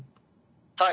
はい。